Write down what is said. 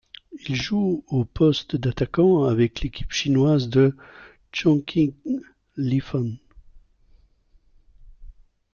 Il joue au poste d'attaquant avec l'équipe chinoise de Chongqing Lifan.